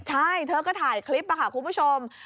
ใช่เธอก็ถ่ายคลิปค่ะคุณผู้ชม